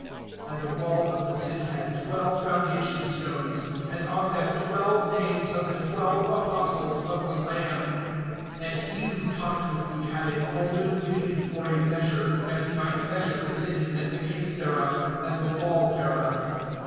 (14)And the wall of the city had twelve foundation stones, and on them twelve names of the twelve apostles of the Lamb. (15)And he who talked with me had a golden reed for a measure, that he might measure the city, and the gates thereof, and the wall thereof.